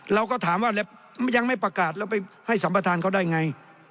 เราก็ถามว่าแล้วยังไม่ประกาศแล้วไปให้สัมประธานเขาได้ไง